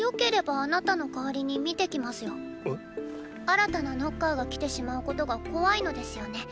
新たなノッカーが来てしまうことが怖いのですよね。